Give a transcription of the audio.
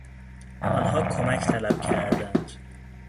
آنها کمک طلب کردند.